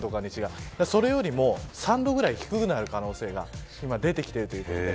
それよりも３度ぐらい低くなる可能性が出てきているということで。